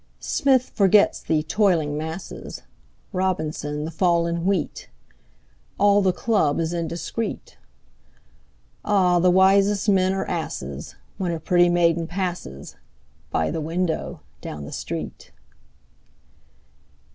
Smith forgets the "toiling masses," Robinson, the fall in wheat; All the club is indiscret. Ah, the wisest men are asses When a pretty maiden passes By the window down the street!